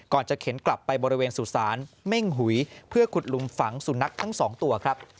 ก่อนจะเข็นกลับไปบริเวณสุธารเม่งหุยเพื่อขุดหลุมฝังสุนัขทั้ง๒ตัว